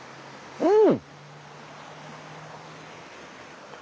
うん。